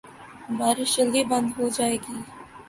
بارش جلدی بند ہو جائے گی۔